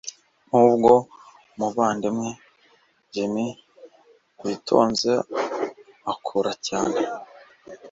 nubwo umuvandimwe Jem witonze akura cyane